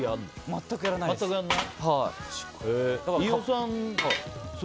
全くやらないです。